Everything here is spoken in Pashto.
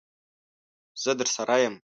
زه درسره یم.